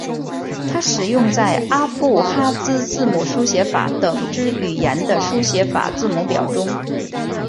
它使用在阿布哈兹字母书写法等之语言的书写法字母表中。